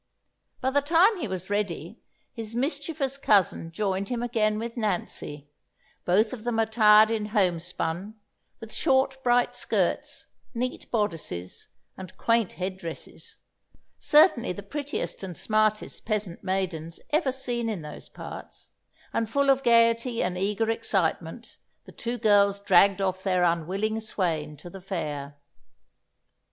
By the time he was ready, his mischievous cousin joined him again with Nancy, both of them attired in homespun, with short bright skirts, neat bodices, and quaint head dresses, certainly the prettiest and smartest peasant maidens ever seen in those parts; and full of gaiety and eager excitement, the two girls dragged off their unwilling swain to the fair.